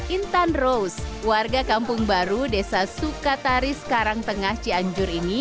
intan rose warga kampung baru desa sukatari sekarang tengah cianjur ini